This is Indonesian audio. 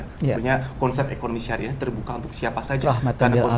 tentunya konsep ekonomi syariah terbuka untuk siapa saja